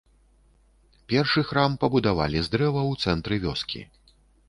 Першы храм пабудавалі з дрэва ў цэнтры вёскі.